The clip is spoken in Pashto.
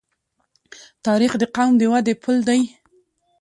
تاریخ د قوم د ودې پل دی.